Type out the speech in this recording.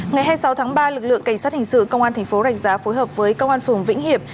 ngày hai mươi sáu tháng ba lực lượng cảnh sát hình sự công an thành phố rạch giá phối hợp với công an phường vĩnh hiệp